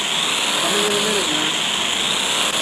Coming in a minute, nurse!